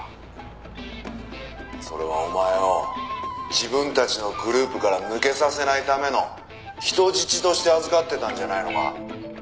「それはお前を自分たちのグループから抜けさせないための人質として預かってたんじゃないのか？」